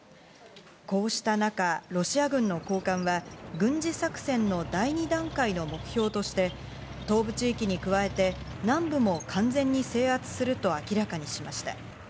こうした中、ロシア軍の高官は軍事作戦の第２段階の目標として東部地域に加えて、南部も完全に制圧すると明らかにしました。